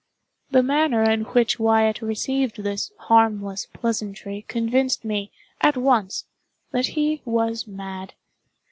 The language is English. The manner in which Wyatt received this harmless pleasantry convinced me, at once, that he was mad.